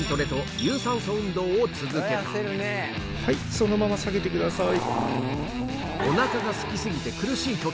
はいそのまま下げてください。